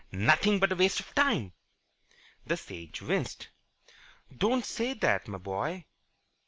Nothing but a waste of time." The Sage winced. "Don't say that, my boy."